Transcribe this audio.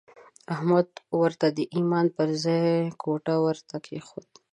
احمد ورته د ايمان پر ځای ګوته ورته کېښوده.